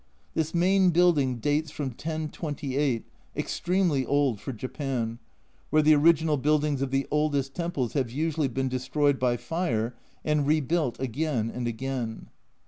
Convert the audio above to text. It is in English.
This main building dates from 1028, extremely old for Japan, where the original buildings of the oldest temples have usually been destroyed by fire and rebuilt again and again.